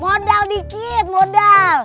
modal dikit modal